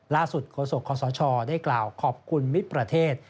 ล่าสุดกฎศกษชได้กล่าวขอบคุณมิตรประเทศ